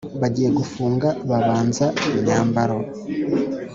Bagiye gufunga, babanza imyambaro,